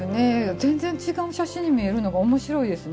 全然違う写真に見えるのがおもしろいですね。